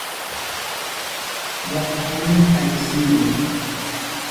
محکم تنزیل